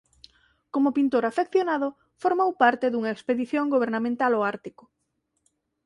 Como pintor afeccionado formou parte dunha expedición gobernamental ó Ártico.